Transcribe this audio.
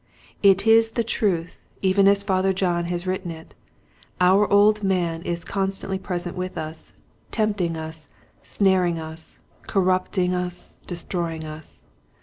It is the truth even as Father John has written it, " our old man is constantly present with us, tempting us, snaring us, corrupting us, destroying us."